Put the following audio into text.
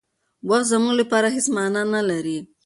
وخت زموږ لپاره هېڅ مانا نه لري.